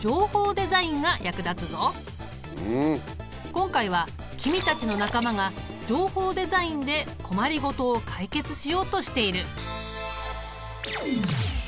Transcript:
今回は君たちの仲間が情報デザインで困りごとを解決しようとしている。